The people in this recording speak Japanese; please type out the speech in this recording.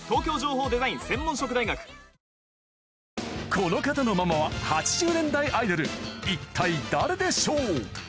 この方のママは８０年代アイドル一体誰でしょう？